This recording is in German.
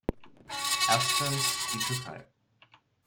Erstens die Türkei.